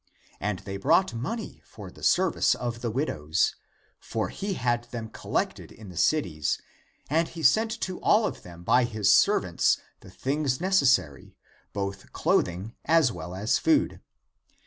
And they brought money for the service of the widows. For he had them collected in the cities, and he sent to all of them by his servants (deacons) the things neces sary, both clothing as well as food.